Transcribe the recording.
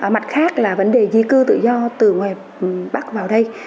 mặt khác là vấn đề di cư tự do từ ngoài bắc vào đây